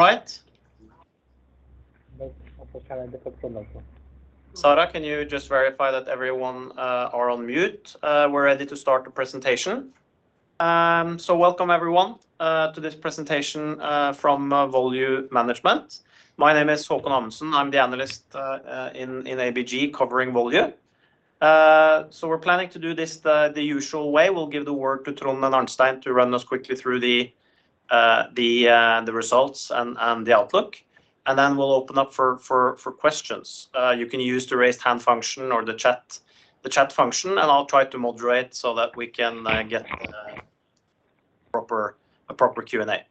All right. Sara, can you just verify that everyone are on mute? We're ready to start the presentation. Welcome everyone to this presentation from Volue Management. My name is Haakon Amundsen. I'm the analyst in ABG covering Volue. We're planning to do this the usual way. We'll give the word to Trond and Arnstein to run us quickly through the results and the outlook, and then we'll open up for questions. You can use the Raise Hand function or the chat function, I'll try to moderate so that we can get a proper Q&A.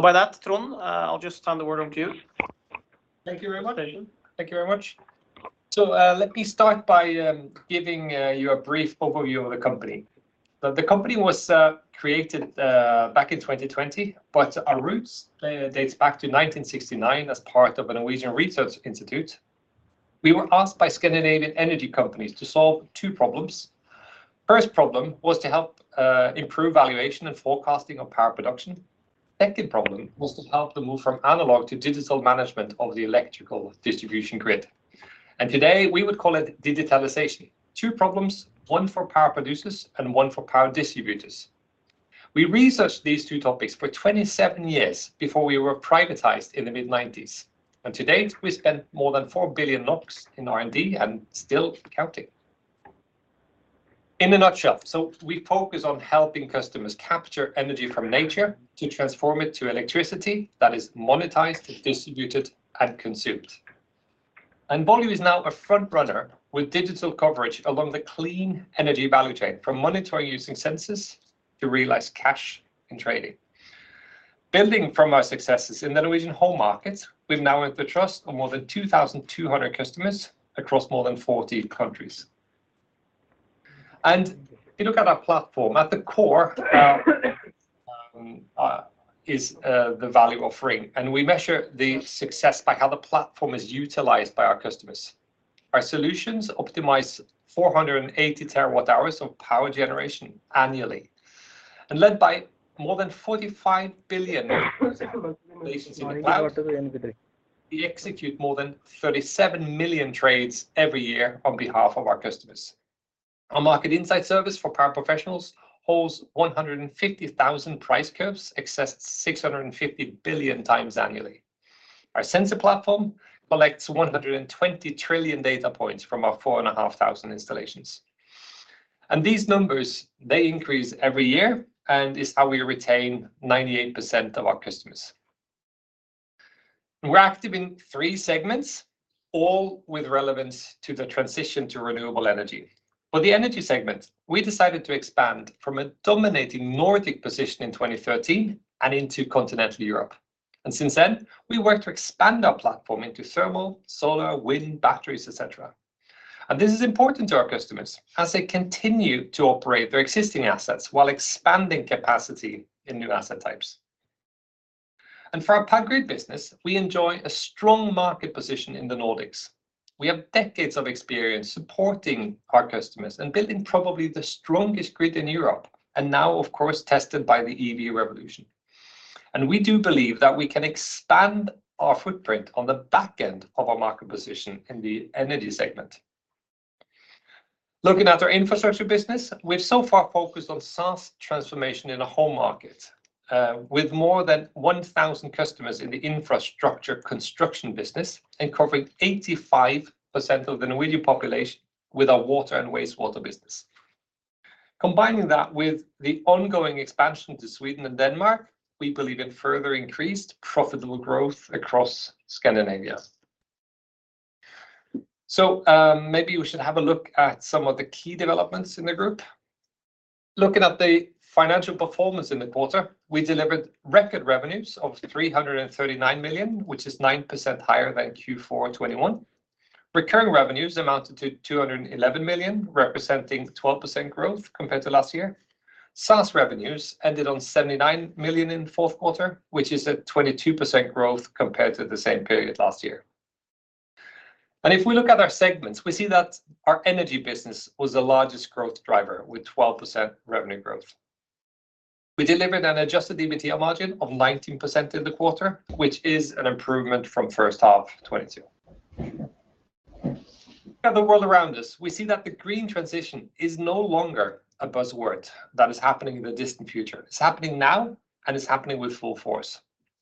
By that, Trond, I'll just turn the word on to you. Thank you very much. Presentation. Thank you very much. Let me start by giving you a brief overview of the company. The company was created back in 2020, but our roots dates back to 1969 as part of a Norwegian research institute. We were asked by Scandinavian energy companies to solve two problems. First problem was to help improve valuation and forecasting of power production. Second problem was to help the move from analog to digital management of the electrical distribution grid, and today we would call it digitalization. Two problems, one for power producers and one for power distributors. We researched these two topics for 27 years before we were privatized in the mid-nineties. To date, we spent more than 4 billion NOK in R&D and still counting. In a nutshell, we focus on helping customers capture energy from nature to transform it to electricity that is monetized, distributed, and consumed. Volue is now a front runner with digital coverage along the clean energy value chain, from monitoring using sensors to realized cash and trading. Building from our successes in the Norwegian home markets, we've now earned the trust of more than 2,200 customers across more than 40 countries. If you look at our platform, at the core, is the value offering, and we measure the success by how the platform is utilized by our customers. Our solutions optimize 480 terawatt hours of power generation annually. Led by more than 45 billion installations in the cloud, we execute more than 37 million trades every year on behalf of our customers. Our Market Insight service for power professionals holds 150,000 price curves, accessed 650 billion times annually. Our sensor platform collects 120 trillion data points from our 4,500 installations. These numbers, they increase every year, and it's how we retain 98% of our customers. We're active in three segments, all with relevance to the transition to renewable energy. For the energy segment, we decided to expand from a dominating Nordic position in 2013 and into Continental Europe. Since then, we worked to expand our platform into thermal, solar, wind, batteries, et cetera. This is important to our customers as they continue to operate their existing assets while expanding capacity in new asset types. For our Power Grid business, we enjoy a strong market position in the Nordics. We have decades of experience supporting our customers and building probably the strongest grid in Europe, and now, of course, tested by the EV revolution. We do believe that we can expand our footprint on the back end of our market position in the energy segment. Looking at our infrastructure business, we've so far focused on SaaS transformation in a home market, with more than 1,000 customers in the infrastructure construction business and covering 85% of the Norwegian population with our water and wastewater business. Combining that with the ongoing expansion to Sweden and Denmark, we believe in further increased profitable growth across Scandinavia. Maybe we should have a look at some of the key developments in the group. Looking at the financial performance in the quarter, we delivered record revenues of 339 million, which is 9% higher than Q4 2021. Recurring revenues amounted to 211 million, representing 12% growth compared to last year. SaaS revenues ended on 79 million in fourth quarter, which is at 22% growth compared to the same period last year. If we look at our segments, we see that our energy business was the largest growth driver with 12% revenue growth. We delivered an adjusted EBITDA margin of 19% in the quarter, which is an improvement from first half 2022. Looking at the world around us, we see that the green transition is no longer a buzzword that is happening in the distant future. It's happening now, and it's happening with full force.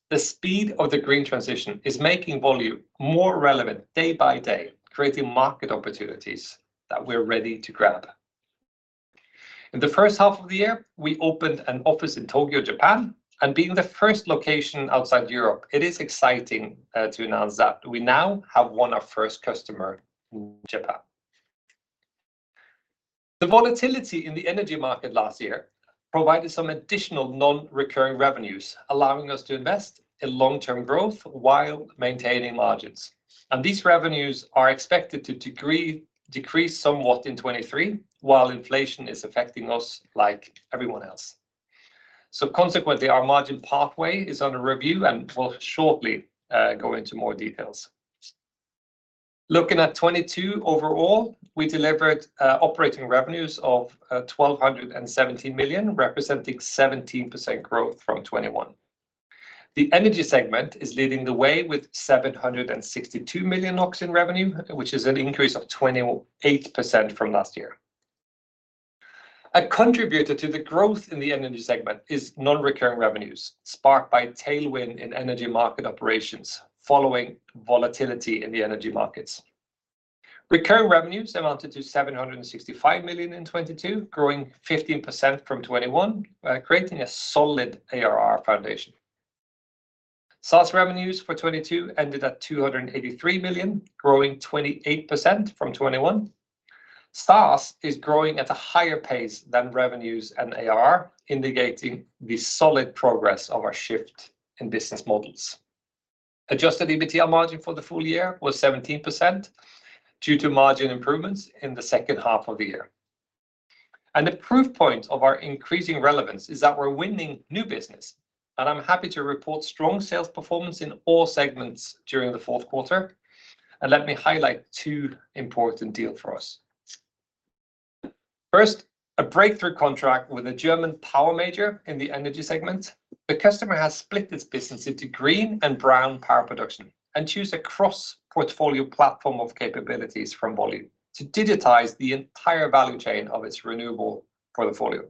The speed of the green transition is making Volue more relevant day by day, creating market opportunities that we're ready to grab. In the first half of the year, we opened an office in Tokyo, Japan, and being the first location outside Europe, it is exciting to announce that we now have won our first customer in Japan. The volatility in the energy market last year provided some additional non-recurring revenues, allowing us to invest in long-term growth while maintaining margins. These revenues are expected to decrease somewhat in 2023, while inflation is affecting us like everyone else. Consequently, our margin pathway is under review, and we'll shortly go into more details. Looking at 2022 overall, we delivered operating revenues of 1,270 million, representing 17% growth from 2021. The energy segment is leading the way with 762 million NOK in revenue, which is an increase of 28% from last year. A contributor to the growth in the energy segment is non-recurring revenues sparked by tailwind in energy market operations following volatility in the energy markets. Recurring revenues amounted to 765 million in 2022, growing 15% from 2021, creating a solid ARR foundation. SaaS revenues for 2022 ended at 283 million, growing 28% from 2021. SaaS is growing at a higher pace than revenues and ARR, indicating the solid progress of our shift in business models. Adjusted EBITDA margin for the full year was 17% due to margin improvements in the second half of the year. The proof point of our increasing relevance is that we're winning new business, I'm happy to report strong sales performance in all segments during the fourth quarter. Let me highlight two important deal for us. First, a breakthrough contract with a German power major in the energy segment. The customer has split its business into green and brown power production and choose a cross-portfolio platform of capabilities from Volue to digitize the entire value chain of its renewable portfolio.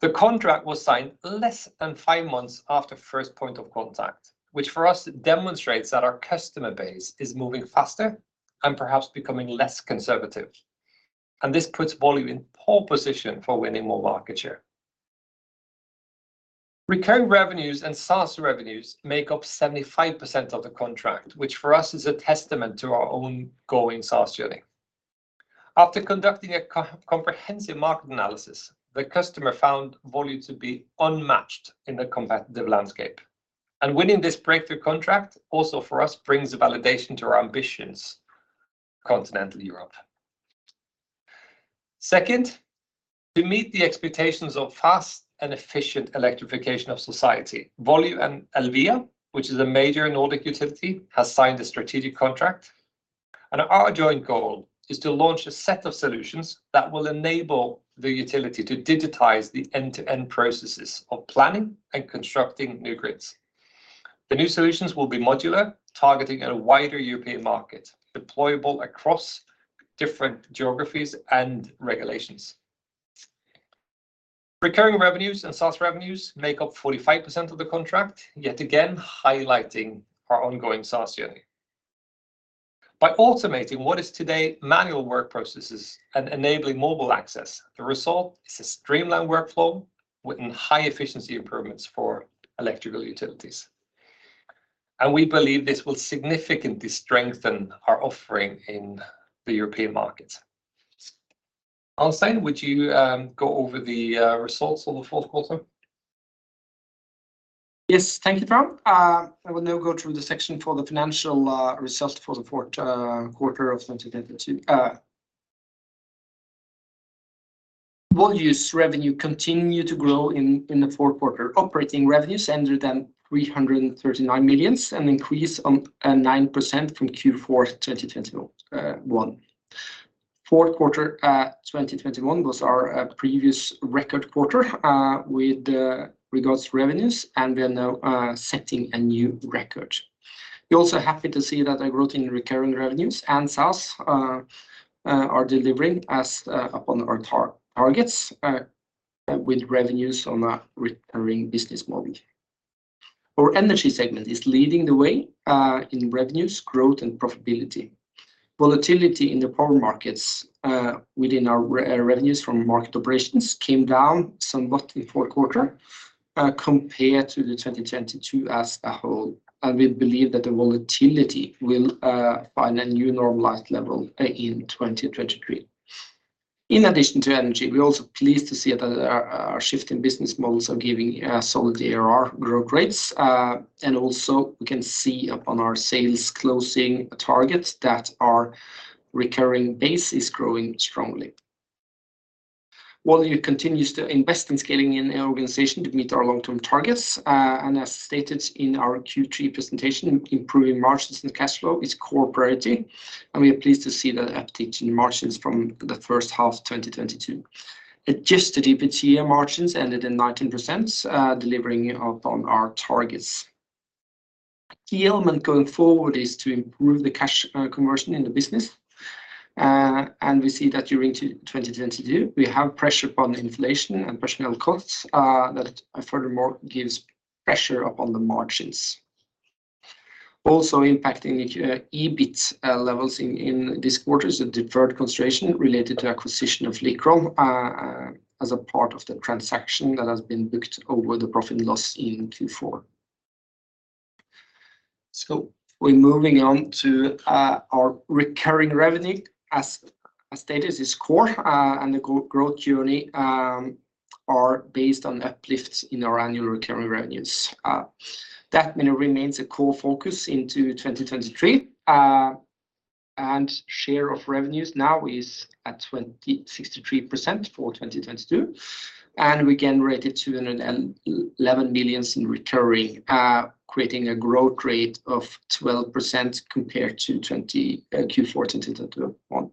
The contract was signed less than five months after first point of contact, which for us demonstrates that our customer base is moving faster and perhaps becoming less conservative. This puts Volue in pole position for winning more market share. Recurring revenues and SaaS revenues make up 75% of the contract, which for us is a testament to our own growing SaaS journey. After conducting a comprehensive market analysis, the customer found Volue to be unmatched in the competitive landscape. Winning this breakthrough contract also for us brings a validation to our ambitions Continental Europe. Second, to meet the expectations of fast and efficient electrification of society, Volue and Elvia, which is a major Nordic utility, has signed a strategic contract, and our joint goal is to launch a set of solutions that will enable the utility to digitize the end-to-end processes of planning and constructing new grids. The new solutions will be modular, targeting a wider European market, deployable across different geographies and regulations. Recurring revenues and SaaS revenues make up 45% of the contract, yet again highlighting our ongoing SaaS journey. By automating what is today manual work processes and enabling mobile access, the result is a streamlined workflow within high efficiency improvements for electrical utilities. We believe this will significantly strengthen our offering in the European market. Arnstein, would you go over the results of the fourth quarter? Yes. Thank you, Per. I will now go through the section for the financial results for the fourth quarter of 2022. Volue's revenue continued to grow in the fourth quarter. Operating revenues ended at 339 million, an increase on 9% from Q4 2021. Fourth quarter 2021 was our previous record quarter with regards to revenues, and we are now setting a new record. We're also happy to see that a growth in recurring revenues and SaaS are delivering as upon our targets with revenues on a recurring business model. Our energy segment is leading the way in revenues, growth, and profitability. Volatility in the power markets within our revenues from market operations came down somewhat in the fourth quarter compared to the 2022 as a whole. We believe that the volatility will find a new normalized level in 2023. In addition to energy, we're also pleased to see that our shift in business models are giving solid ARR growth rates. Also we can see upon our sales closing targets that our recurring base is growing strongly. Volue continues to invest in scaling in our organization to meet our long-term targets. As stated in our Q3 presentation, improving margins and cash flow is core priority, and we are pleased to see the uptick in margins from the first half 2022. Adjusted EBITDA margins ended in 19%, delivering upon our targets. Key element going forward is to improve the cash conversion in the business, and we see that during 2022, we have pressure upon inflation and personnel costs, that furthermore gives pressure upon the margins. Also impacting the EBIT levels in this quarter is a deferred consideration related to acquisition of Likron, as a part of the transaction that has been booked over the profit loss in Q4. We're moving on to our recurring revenue. As stated, it's core, and the growth journey are based on uplifts in our annual recurring revenues. That remains a core focus into 2023. Share of revenues now is at 63% for 2022. We generated 211 million in recurring, creating a growth rate of 12% compared to Q4 2021.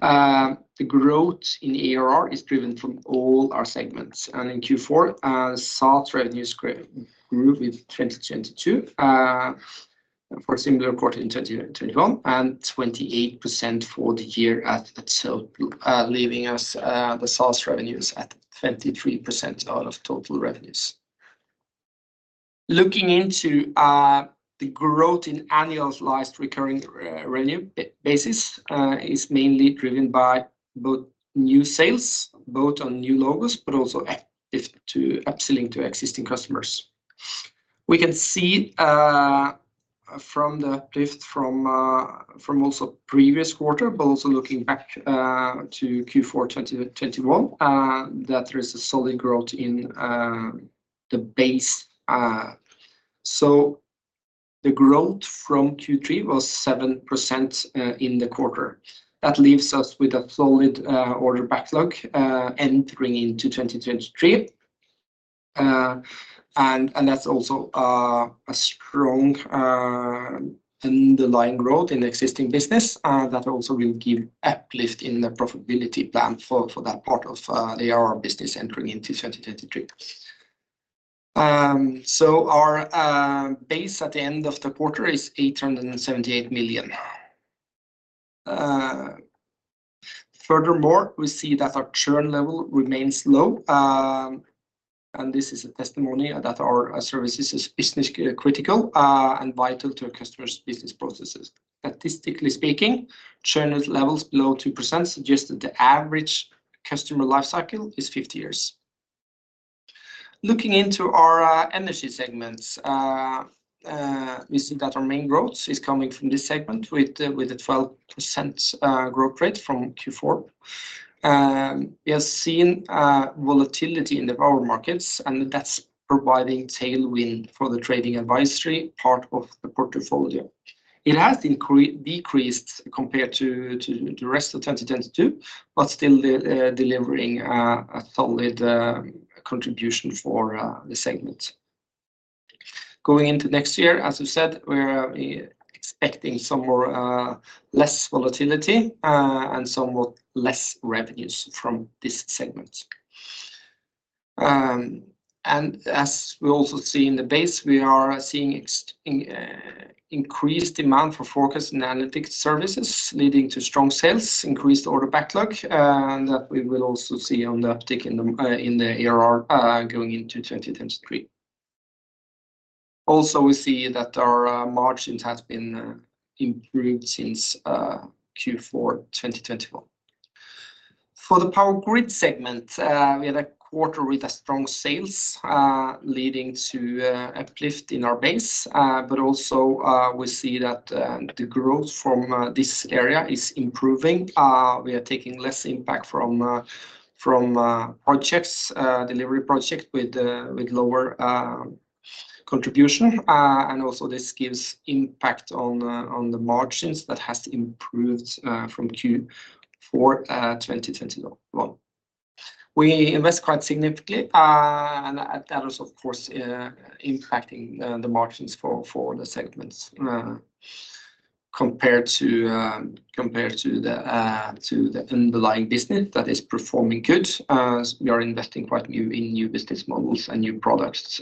The growth in ARR is driven from all our segments. In Q4, SaaS revenues grew with 2022, for a similar quarter in 2021, and 28% for the year at itself, leaving us, the SaaS revenues at 23% out of total revenues. Looking into, the growth in annualized recurring revenue basis, is mainly driven by both new sales, both on new logos, but also uplift to upselling to existing customers. We can see, from the uplift from also previous quarter, but also looking back, to Q4 2021, that there is a solid growth in the base. The growth from Q3 was 7% in the quarter. That leaves us with a solid order backlog entering into 2023. That's also a strong underlying growth in existing business that also will give uplift in the profitability plan for that part of the ARR business entering into 2023. Our base at the end of the quarter is 878 million. Furthermore, we see that our churn level remains low. This is a testimony that our services is business critical and vital to our customers' business processes. Statistically speaking, churn levels below 2% suggest that the average customer life cycle is 50 years. Looking into our energy segments, we see that our main growth is coming from this segment with a 12% growth rate from Q4. We have seen volatility in the power markets, and that's providing tailwind for the trading advisory part of the portfolio. It has decreased compared to the rest of 2022, but still delivering a solid contribution for the segment. Going into next year, as we've said, we're expecting some more less volatility, and somewhat less revenues from this segment. As we also see in the base, we are seeing increased demand for forecast and analytics services, leading to strong sales, increased order backlog, and that we will also see on the uptick in the ARR going into 2023. We see that our margins has been improved since Q4 2021. For the power grid segment, we had a quarter with a strong sales, leading to uplift in our base. We see that the growth from this area is improving. We are taking less impact from projects, delivery project with lower contribution. This gives impact on the margins that has improved from Q4 2021. We invest quite significantly, that is of course impacting the margins for the segments, compared to compared to the underlying business that is performing good, as we are investing quite new in new business models and new products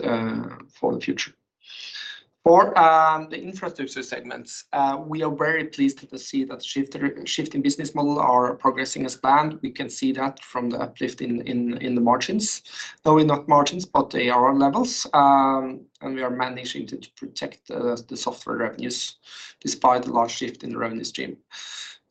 for the future. For the infrastructure segments, we are very pleased to see that shift in business model are progressing as planned. We can see that from the uplift in the margins, though in not margins, but ARR levels. We are managing to protect the software revenues despite the large shift in the revenue stream.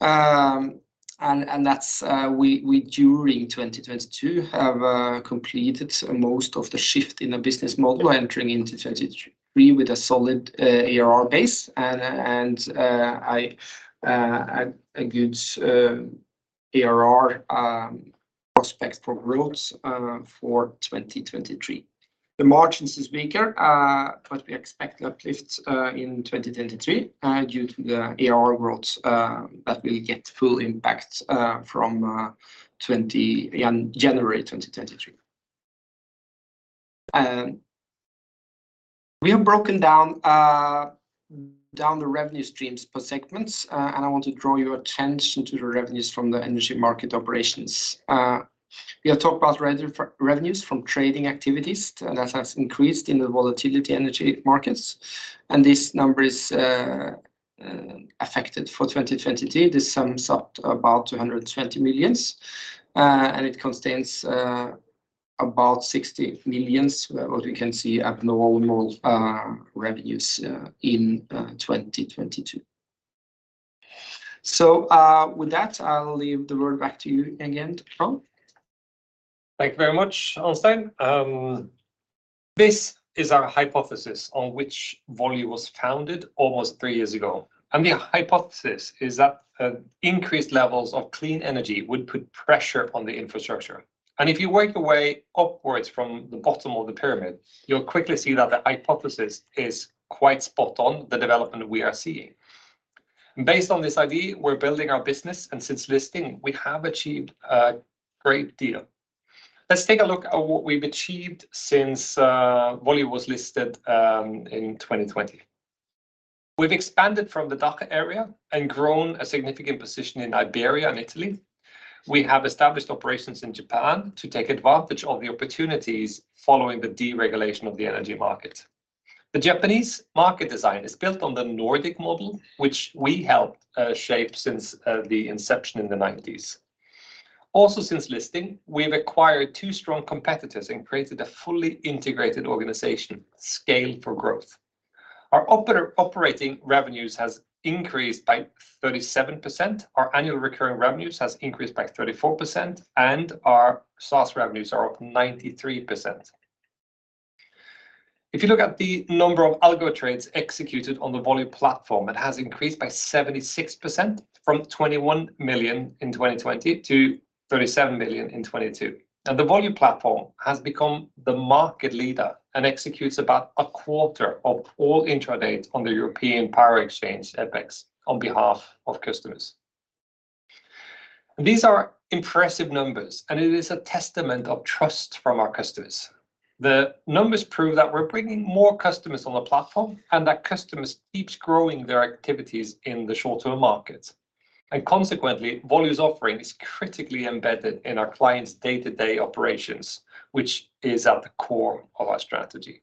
That's we during 2022 have completed most of the shift in the business model entering into 2023 with a solid ARR base and a good ARR prospect for growth for 2023. The margins is weaker, we expect uplifts in 2023 due to the ARR growth that will get full impact from January 2023. We have broken down down the revenue streams per segments, and I want to draw your attention to the revenues from the energy market operations. We have talked about revenues from trading activities that has increased in the volatility energy markets, and this number is affected for 2023. This sums up about 220 million, and it contains about 60 million, what we can see abnormal revenues in 2022. With that, I'll leave the word back to you again, Tom. Thank you very much, Arnstein. This is our hypothesis on which Volue was founded almost three years ago. The hypothesis is that increased levels of clean energy would put pressure on the infrastructure. If you work your way upwards from the bottom of the pyramid, you'll quickly see that the hypothesis is quite spot on the development we are seeing. Based on this idea, we're building our business, and since listing, we have achieved a great deal. Let's take a look at what we've achieved since Volue was listed in 2020. We've expanded from the DACH area and grown a significant position in Iberia and Italy. We have established operations in Japan to take advantage of the opportunities following the deregulation of the energy market. The Japanese market design is built on the Nordic model, which we helped shape since the inception in the nineties. Also, since listing, we've acquired two strong competitors and created a fully integrated organization scale for growth. Our operating revenues has increased by 37%, our annual recurring revenues has increased by 34%, and our SaaS revenues are up 93%. If you look at the number of algo trades executed on the Volue platform, it has increased by 76% from 21 million in 2020 to 37 million in 2022. The Volue platform has become the market leader and executes about a quarter of all intraday on the European Power Exchange, EPEX, on behalf of customers. These are impressive numbers, and it is a testament of trust from our customers. The numbers prove that we're bringing more customers on the platform and that customers keeps growing their activities in the short-term markets. Consequently, Volue's offering is critically embedded in our clients' day-to-day operations, which is at the core of our strategy.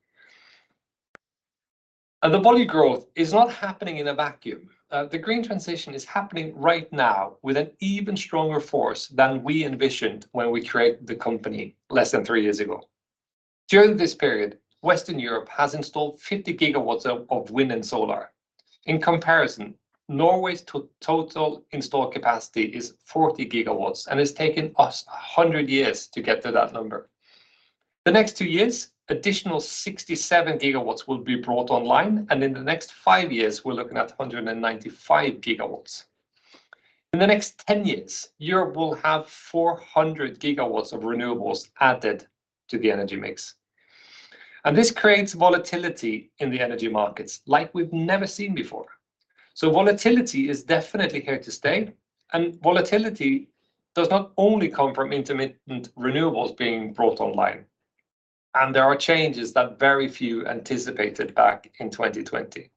The Volue growth is not happening in a vacuum. The green transition is happening right now with an even stronger force than we envisioned when we created the company less than three years ago. During this period, Western Europe has installed 50 GW of wind and solar. In comparison, Norway's total installed capacity is 40 GW, and it's taken us 100 years to get to that number. The next two years, additional 67 GW will be brought online, and in the next five years, we're looking at 195 GW. In the next 10 years, Europe will have 400GW of renewables added to the energy mix. This creates volatility in the energy markets like we've never seen before. Volatility is definitely here to stay, and volatility does not only come from intermittent renewables being brought online, and there are changes that very few anticipated back in 2020.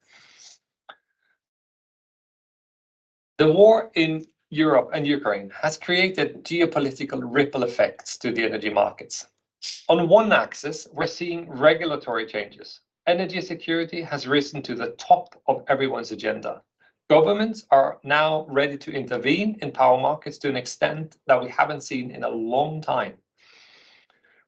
The war in Europe and Ukraine has created geopolitical ripple effects to the energy markets. On one axis, we're seeing regulatory changes. Energy security has risen to the top of everyone's agenda. Governments are now ready to intervene in power markets to an extent that we haven't seen in a long time.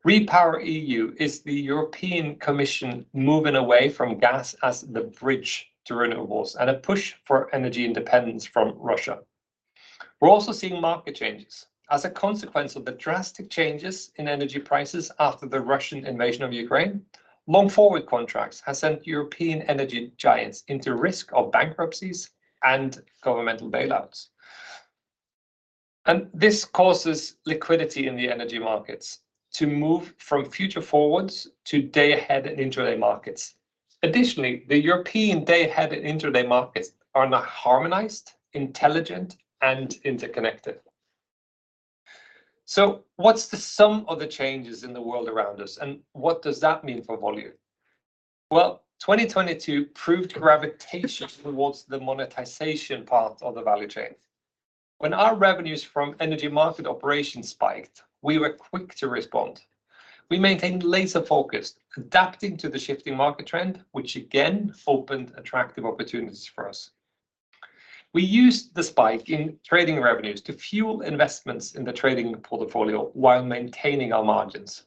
REPowerEU is the European Commission moving away from gas as the bridge to renewables and a push for energy independence from Russia. We're also seeing market changes. As a consequence of the drastic changes in energy prices after the Russian invasion of Ukraine, long forward contracts has sent European energy giants into risk of bankruptcies and governmental bailouts. This causes liquidity in the energy markets to move from future forwards to day-ahead and intraday markets. Additionally, the European day-ahead and intraday markets are not harmonized, intelligent, and interconnected. What's the sum of the changes in the world around us, and what does that mean for Volue? Well, 2022 proved gravitational towards the monetization part of the value chain. When our revenues from energy market operations spiked, we were quick to respond. We maintained laser focus, adapting to the shifting market trend, which again opened attractive opportunities for us. We used the spike in trading revenues to fuel investments in the trading portfolio while maintaining our margins.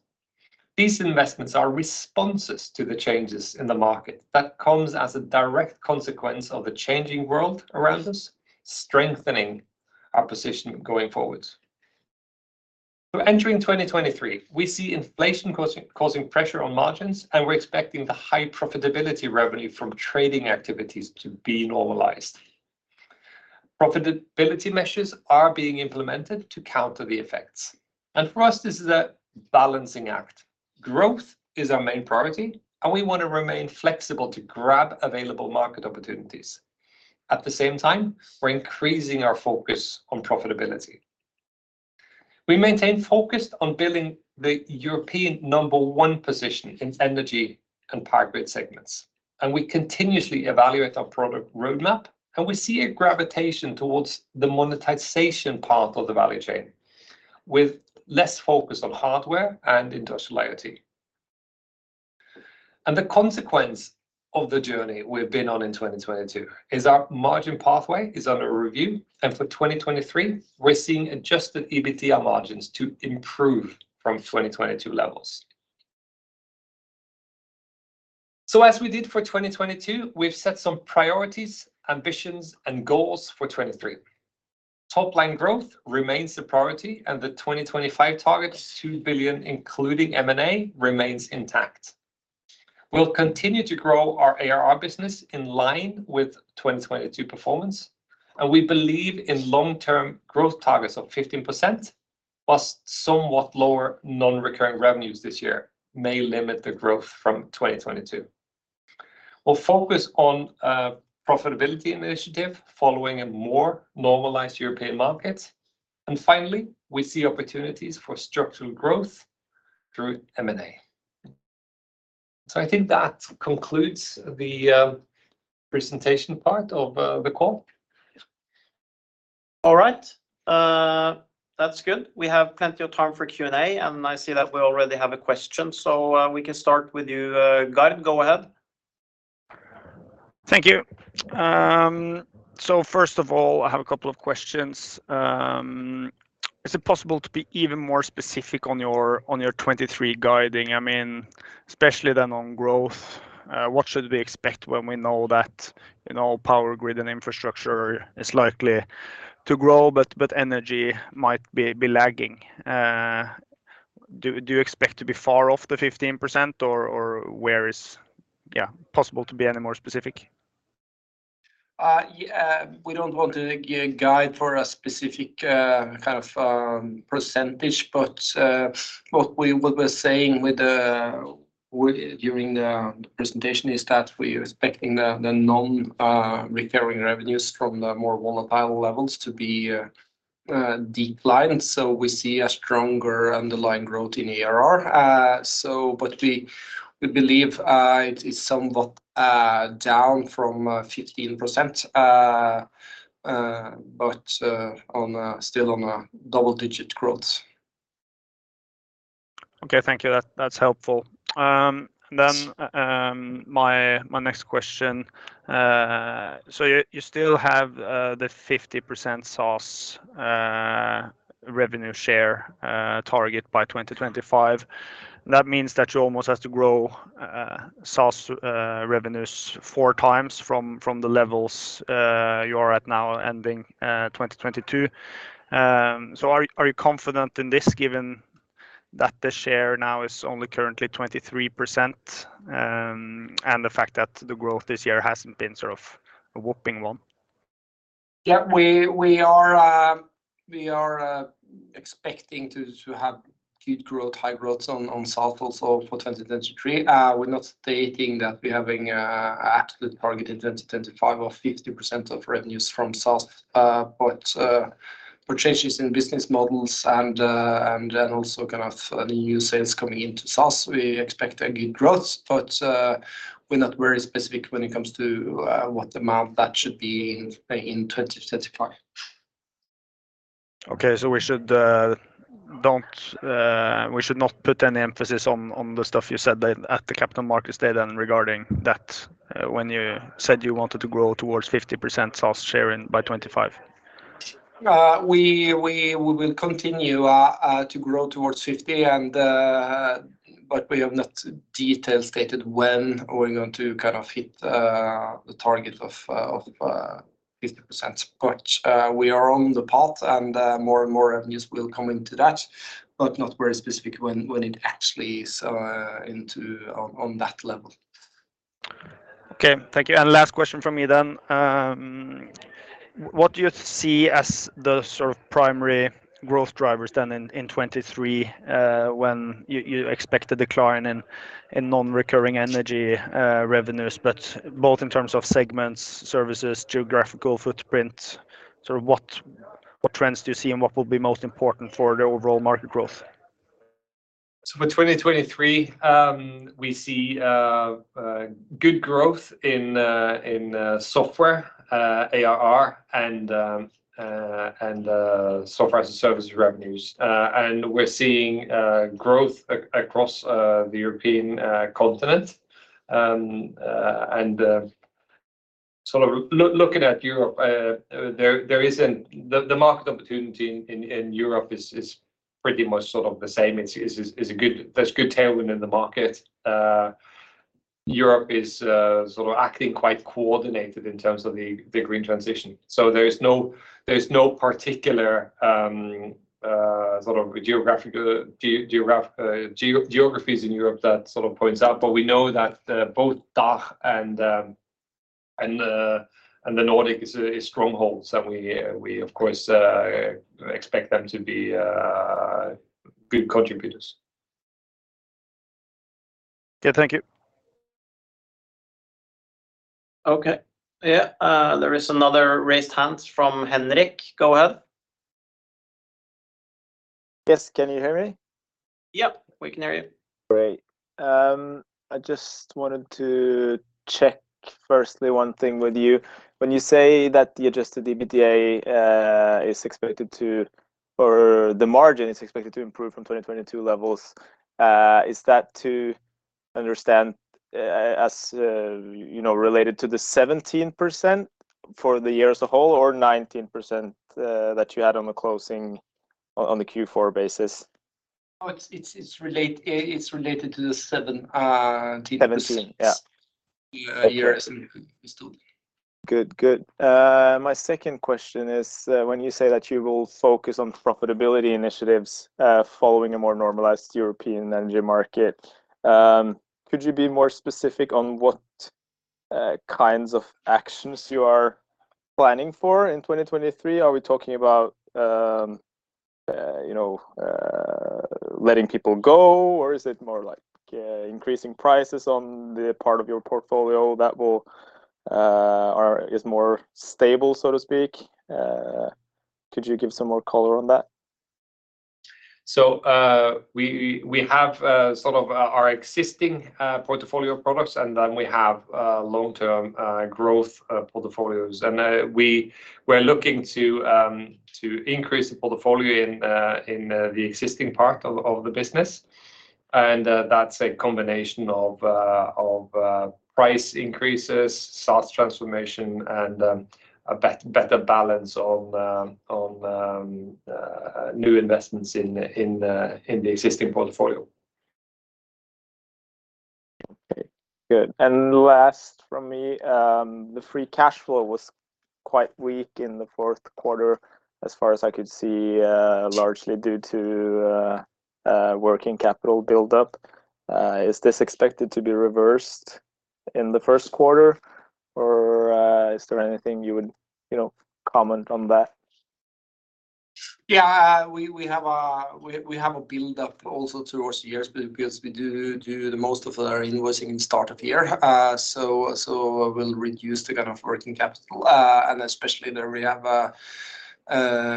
These investments are responses to the changes in the market that comes as a direct consequence of the changing world around us, strengthening our position going forward. Entering 2023, we see inflation causing pressure on margins, and we're expecting the high profitability revenue from trading activities to be normalized. Profitability measures are being implemented to counter the effects. For us, this is a balancing act. Growth is our main priority, and we want to remain flexible to grab available market opportunities. At the same time, we're increasing our focus on profitability. We maintain focus on building the European number one position in energy and power grid segments, and we continuously evaluate our product roadmap, and we see a gravitation towards the monetization part of the value chain, with less focus on hardware and industrial IoT. The consequence of the journey we've been on in 2022 is our margin pathway is under review, and for 2023, we're seeing adjusted EBITDA margins to improve from 2022 levels. As we did for 2022, we've set some priorities, ambitions, and goals for 2023. Top-line growth remains the priority, and the 2025 target, 2 billion including M&A, remains intact. We'll continue to grow our ARR business in line with 2022 performance, and we believe in long-term growth targets of 15%. Somewhat lower non-recurring revenues this year may limit the growth from 2022. We'll focus on profitability initiative following a more normalized European market. Finally, we see opportunities for structural growth through M&A. I think that concludes the presentation part of the call. All right. That's good. We have plenty of time for Q&A, and I see that we already have a question, so we can start with you, Gard. Go ahead. Thank you. First of all, I have a couple of questions. Is it possible to be even more specific on your, on your 2023 guiding? I mean, especially then on growth, what should we expect when we know that, you know, power grid and infrastructure is likely to grow, but energy might be lagging? Do you expect to be far off the 15% or where is. possible to be any more specific? Yeah, we don't want to give guide for a specific kind of percentage. What we're saying during the presentation is that we're expecting the non-recurring revenues from the more volatile levels to be declined. We see a stronger underlying growth in ARR. But we believe it is somewhat down from 15%, but still on a double-digit growth. Okay. Thank you. That's helpful. My next question. You still have the 50% SaaS revenue share target by 2025. That means that you almost have to grow SaaS revenues 4x from the levels you are at now ending 2022. Are you confident in this given that the share now is only currently 23%, and the fact that the growth this year hasn't been sort of a whopping one? Yeah. We are expecting to have good growth, high growth on SaaS also for 2023. We're not stating that we're having a absolute target in 2025 of 50% of revenues from SaaS. For changes in business models and then also kind of the new sales coming into SaaS, we expect a good growth. We're not very specific when it comes to what amount that should be in 2025. Okay. We should not put any emphasis on the stuff you said at the Capital Markets Day then regarding that when you said you wanted to grow towards 50% SaaS share in by 2025. We will continue to grow towards 50 and, we have not detail stated when we're going to kind of hit the target of 50%. We are on the path and, more and more revenues will come into that, but not very specific when it actually is into on that level. Okay. Thank you. Last question from me then. What do you see as the sort of primary growth drivers then in 2023, when you expect a decline in non-recurring energy revenues, but both in terms of segments, services, geographical footprint, sort of what trends do you see and what will be most important for the overall market growth? For 2023, we see good growth in software ARR and software as a service revenues. We're seeing growth across the European continent. Looking at Europe, the market opportunity in Europe is pretty much sort of the same. There's good tailwind in the market. Europe is acting quite coordinated in terms of the green transition. There's no particular geographies in Europe that points out. We know that both DACH and the Nordic is strongholds, and we of course expect them to be good contributors. Okay. Thank you. Okay. Yeah. There is another raised hand from Henrik. Go ahead. Yes. Can you hear me? Yep, we can hear you. Great. I just wanted to check firstly one thing with you. When you say that the adjusted EBITDA, or the margin is expected to improve from 2022 levels, is that to understand, as, you know, related to the 17% for the year as a whole or 19%, that you had on the closing on the Q4 basis? Oh, it's related to the 17% 17, yeah. year as in Okay. Good. Good. My second question is, when you say that you will focus on profitability initiatives, following a more normalized European energy market, could you be more specific on what kinds of actions you are planning for in 2023? Are we talking about, you know, letting people go? Or is it more like, increasing prices on the part of your portfolio that will, or is more stable, so to speak? Could you give some more color on that? We have sort of our existing portfolio products, and then we have long-term growth portfolios. We're looking to increase the portfolio in the existing part of the business. That's a combination of price increases, SaaS transformation and better balance on new investments in the existing portfolio. Okay. Good. Last from me, the free cash flow was quite weak in the fourth quarter as far as I could see, largely due to working capital buildup. Is this expected to be reversed in the first quarter? Or, is there anything you would, you know, comment on that? Yeah. We have a buildup also towards the years because we do the most of our invoicing in start of year. We'll reduce the kind of working capital. Especially there we have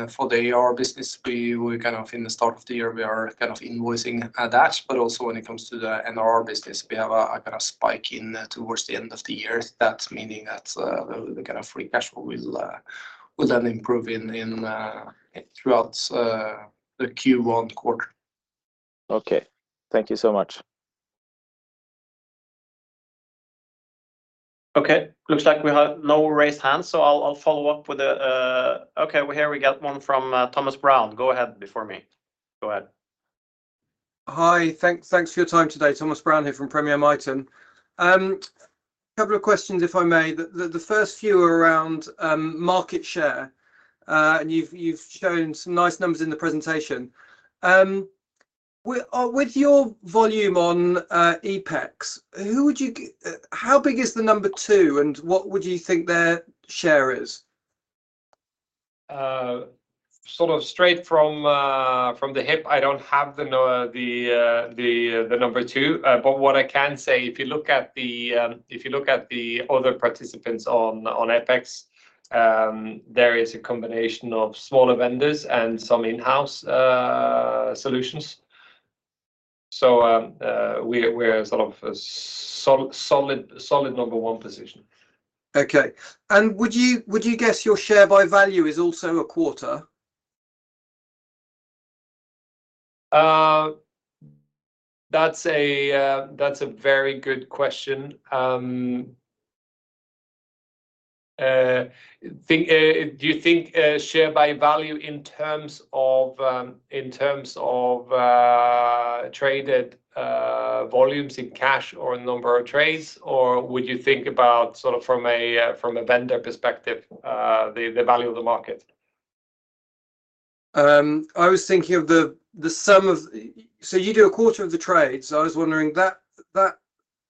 for the AR business, we were kind of in the start of the year, we are kind of invoicing that, but also when it comes to the NR business, we have a kind of spike in towards the end of the year. That's meaning that the kind of free cash flow will then improve throughout the Q1 quarter. Okay. Thank you so much. Okay. Looks like we have no raised hands. Okay. Well, here we got one from Thomas Brown. Go ahead before me. Go ahead. Hi. Thanks for your time today. Thomas Brown here from Premier Miton. Couple of questions, if I may. The first few are around market share. You've shown some nice numbers in the presentation. With your volume on EPEX, who would you How big is the number two, and what would you think their share is? sort of straight from the hip, I don't have the number two. What I can say, if you look at the other participants on EPEX, there is a combination of smaller vendors and some in-house solutions. We're sort of a solid number one position. Okay. Would you guess your share by value is also a quarter? That's a very good question. Do you think share by value in terms of traded volumes in cash or number of trades? Would you think about sort of from a vendor perspective, the value of the market? You do a quarter of the trades. I was wondering that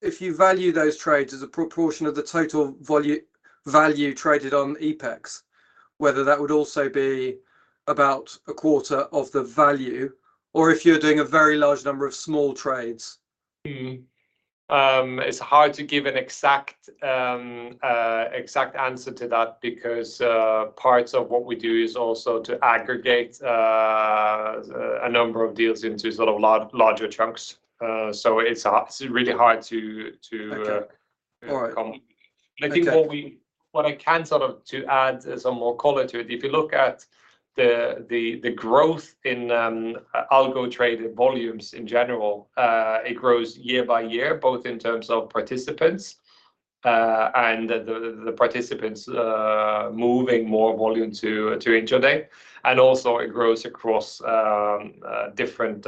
if you value those trades as a proportion of the total value traded on EPEX, whether that would also be about a quarter of the value, or if you're doing a very large number of small trades. It's hard to give an exact exact answer to that because parts of what we do is also to aggregate a number of deals into sort of larger chunks. It's really hard to. Okay. All right. com Okay. I think what I can sort of to add some more color to it, if you look at the growth in algo traded volumes in general, it grows year by year, both in terms of participants, and the participants moving more volume to intraday. Also it grows across different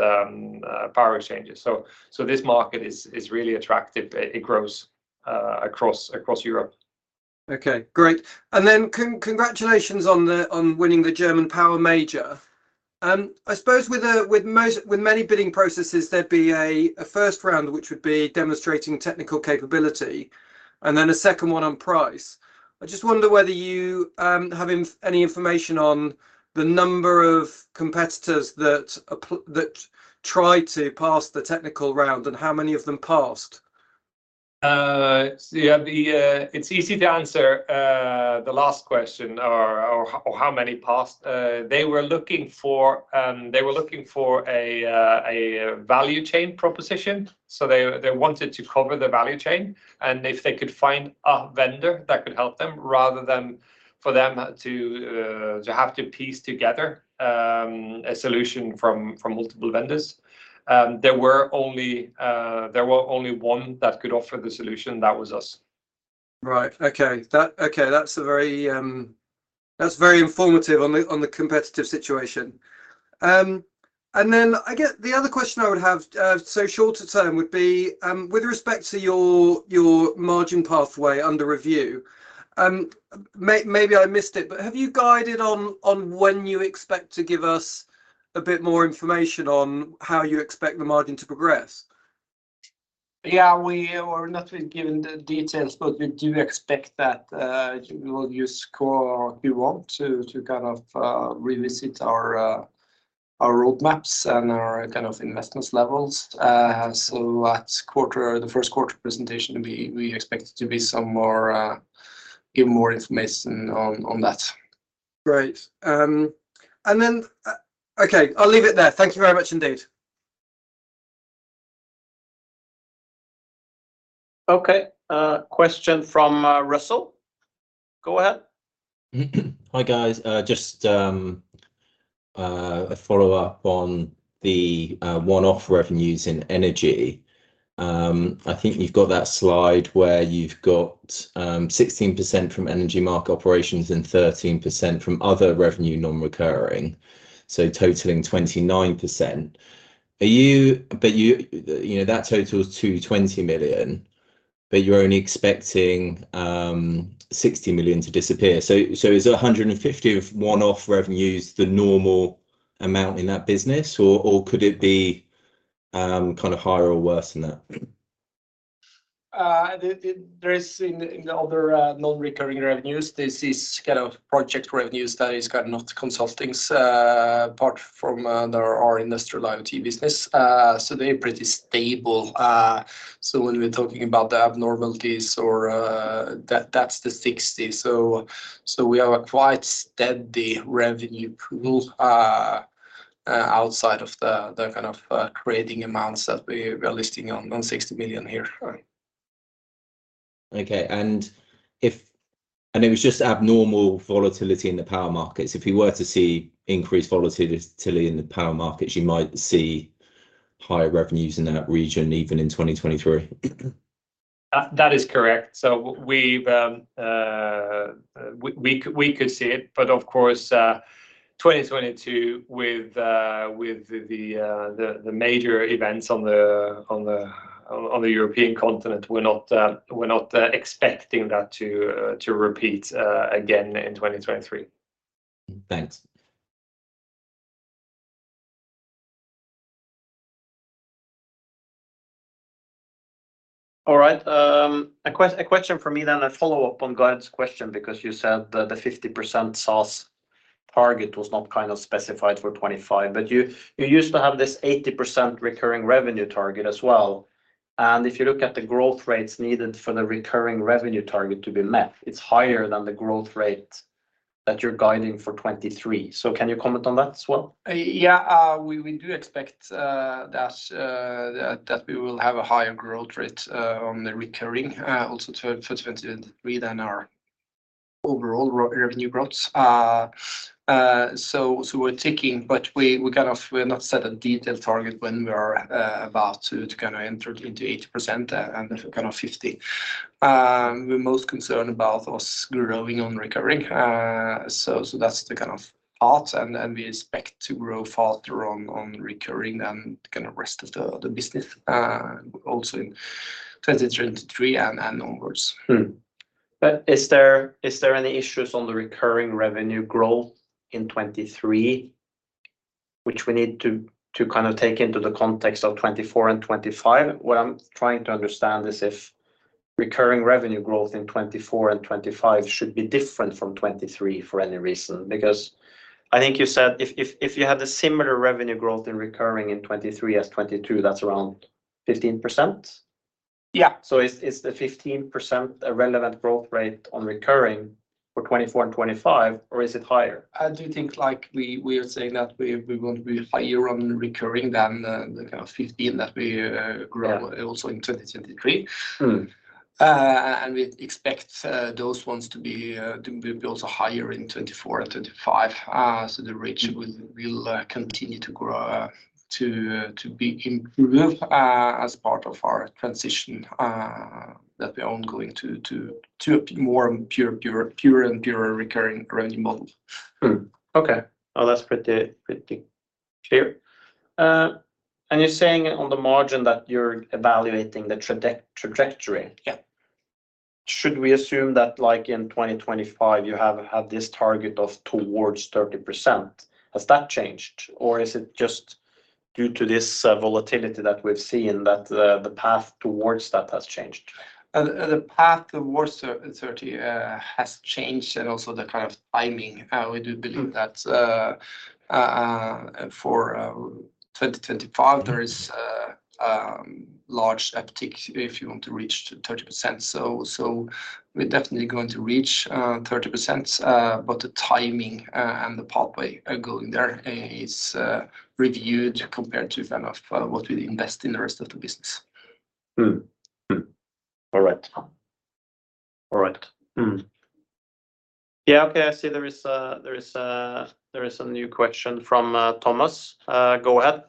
power exchanges. This market is really attractive. It grows across Europe. Okay. Great. Then congratulations on the, on winning the German Power major. I suppose with many bidding processes, there'd be a first round, which would be demonstrating technical capability, and then a second one on price. I just wonder whether you have any information on the number of competitors that tried to pass the technical round, and how many of them passed? Yeah. The... It's easy to answer the last question, or how many passed. They were looking for a value chain proposition. They wanted to cover the value chain and if they could find a vendor that could help them, rather than for them to have to piece together a solution from multiple vendors. There was only one that could offer the solution. That was us. Right. Okay. That's very informative on the competitive situation. I guess the other question I would have, so shorter term, would be, with respect to your margin pathway under review, maybe I missed it, but have you guided on when you expect to give us a bit more information on how you expect the margin to progress? Yeah, we were not given the details, but we do expect that, we will use Q4 Q1 to kind of revisit our roadmaps and our kind of investments levels. At quarter, the first quarter presentation, we expect it to be some more, give more information on that. Great. Okay, I'll leave it there. Thank you very much indeed. Okay. Question from Russell. Go ahead. Hi, guys. Just a follow-up on the one-off revenues in energy. I think you've got that slide where you've got 16% from energy market operations and 13% from other revenue non-recurring, so totaling 29%. You know, that totals 220 million, but you're only expecting 60 million to disappear. Is 150 of one-off revenues the normal amount in that business, or could it be kind of higher or worse than that? The other non-recurring revenues, this is kind of project revenues that is kind of not consultings, apart from our Industrial IoT business. They're pretty stable. When we're talking about the abnormalities or that's the 60. We have a quite steady revenue pool outside of the kind of creating amounts that we are listing on 60 million here. Okay. It was just abnormal volatility in the power markets. If we were to see increased volatility in the power markets, you might see higher revenues in that region even in 2023. That is correct. we've, we could see it. of course, 2022 with the major events on the European continent, we're not expecting that to repeat again in 2023. Thanks. All right. A question from me then. A follow-up on Gard's question because you said the 50% SaaS target was not kind of specified for 2025. You, you used to have this 80% recurring revenue target as well. If you look at the growth rates needed for the recurring revenue target to be met, it's higher than the growth rate that you're guiding for 2023. Can you comment on that as well? Yeah. We do expect that we will have a higher growth rate on the recurring also to, for 2023 than our overall re-revenue growth. We're ticking, but we've not set a detailed target when we are about to kind of enter into 80% and kind of 50%. We're most concerned about us growing on recurring. That's the kind of part, and we expect to grow faster on recurring than kind of rest of the business also in 2023 and onwards. Is there any issues on the recurring revenue growth in 2023, which we need to kind of take into the context of 2024 and 2025? What I'm trying to understand is if recurring revenue growth in 2024 and 2025 should be different from 2023 for any reason. I think you said if you had a similar revenue growth in recurring in 2023 as 2022, that's around 15%. Yeah. Is the 15% a relevant growth rate on recurring for 2024 and 2025, or is it higher? I do think, like, we are saying that we're going to be higher on recurring than the kind of 15 that we grew. Yeah... also in 2023. Hmm. We expect those ones to be also higher in 2024 and 2025. The reach will continue to grow, to be improved, as part of our transition that we are going to a more pure recurring revenue model. Okay. Well, that's pretty clear. You're saying on the margin that you're evaluating the trajectory. Yeah. Should we assume that, like in 2025, you have had this target of towards 30%? Has that changed, or is it just due to this volatility that we've seen that the path towards that has changed? The path towards 30 has changed and also the kind of timing. We do believe. Mm that, for 2025 there is large uptick if you want to reach 30%. We're definitely going to reach 30%. The timing and the pathway of going there is reviewed compared to kind of, what we invest in the rest of the business. All right. All right. Yeah, okay. I see there is a new question from Thomas. Go ahead.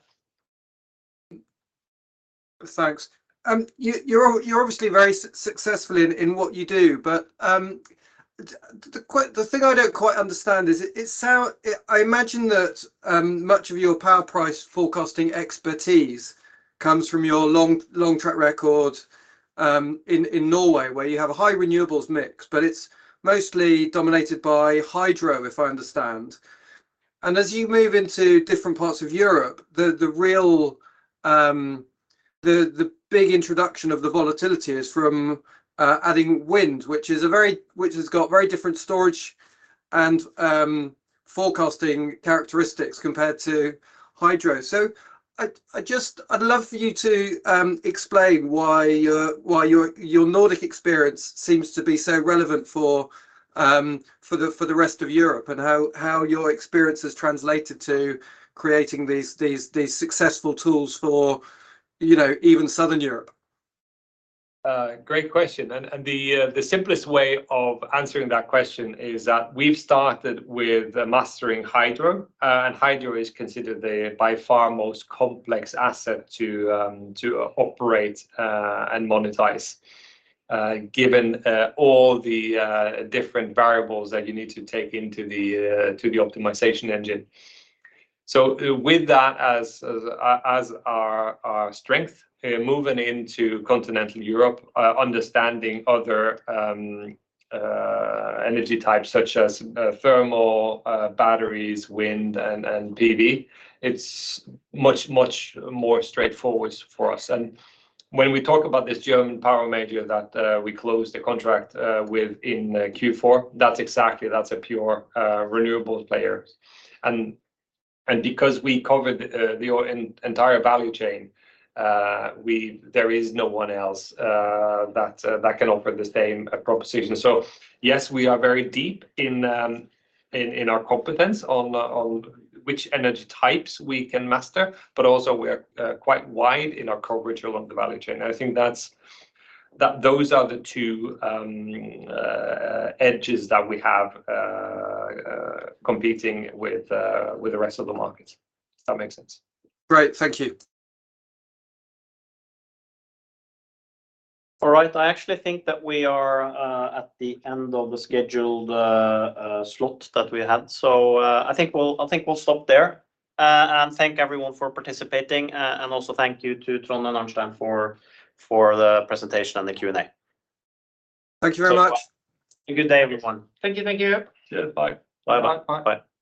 Thanks. You're obviously very successful in what you do, but the thing I don't quite understand is it sound... I imagine that much of your power price forecasting expertise comes from your long track record in Norway, where you have a high renewables mix, but it's mostly dominated by hydro, if I understand. As you move into different parts of Europe, the real, the big introduction of the volatility is from adding wind, which has got very different storage and forecasting characteristics compared to hydro. I just... I'd love for you to explain why your Nordic experience seems to be so relevant for the rest of Europe, and how your experience has translated to creating these successful tools for, you know, even Southern Europe. Great question. The simplest way of answering that question is that we've started with mastering hydro, and hydro is considered the, by far, most complex asset to operate and monetize, given all the different variables that you need to take into the optimization engine. With that as our strength, moving into continental Europe, understanding other energy types such as thermal, batteries, wind and PV, it's much more straightforward for us. When we talk about this German power major that we closed the contract with in Q4, that's exactly. That's a pure renewables player. Because we covered the entire value chain, we. There is no one else that can offer the same proposition. Yes, we are very deep in our competence on which energy types we can master, but also we are quite wide in our coverage along the value chain. I think that's that those are the two edges that we have competing with the rest of the market. Does that make sense? Great. Thank you. All right. I actually think that we are at the end of the scheduled slot that we had. I think we'll stop there and thank everyone for participating. Also thank you to Trond and Arnstein for the presentation and the Q&A. Thank you very much. Have a good day, everyone. Thank you. Thank you. Cheers. Bye. Bye. Bye. Bye.